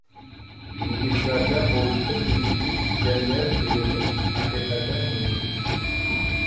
يىگىتلەردە بولۇشقا تېگىشلىك جەمئىيەت بىلىمى ھەقىقەتەن مۇھىم!